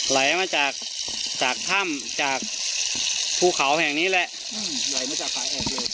ไหลมาจากจากถ้ำจากภูเขาแห่งนี้แหละไหลมาจากขาออกเลย